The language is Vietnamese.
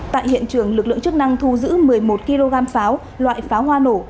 tại hiện trường lực lượng chức năng thu giữ một mươi một kg pháo loại pháo hoa nổ